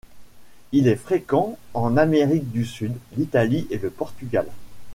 Il est fréquent en Amérique du Sud, l'Italie et le Portugal.